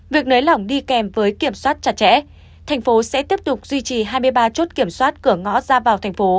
việc nới lỏng đi kèm với kiểm soát chặt chẽ thành phố sẽ tiếp tục duy trì hai mươi ba chốt kiểm soát cửa ngõ ra vào thành phố